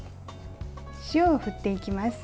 塩を振っていきます。